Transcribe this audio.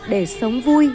để sống vui